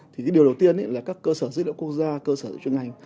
thì điều đầu tiên là các cơ sở dữ liệu quốc gia cơ sở dữ liệu chuyên ngành